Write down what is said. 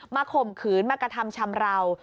ข่มขืนมากระทำชำราว